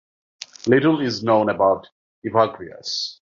Little is known about Evagrius.